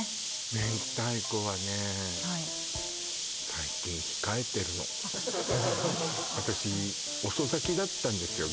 明太子はねはい最近控えてるの私遅咲きだったんですよ